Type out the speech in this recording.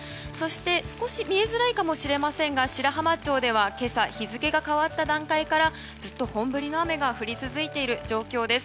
少し見えづらいかもしれませんが白浜町では今朝、日付が変わった段階からずっと本降りの雨が降り続いている状況です。